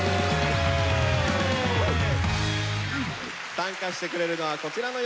参加してくれるのはこちらの４人です。